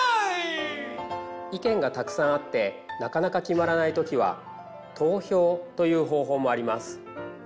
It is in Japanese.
意見がたくさんあってなかなか決まらない時は投票という方法もあります。